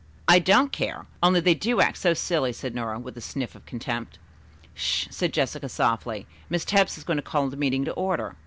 "I don't care. Only they do act so silly," said Nora, with a sniff of contempt. "Sh h h!" said Jessica softly. "Miss Tebbs is going to call the meeting to order."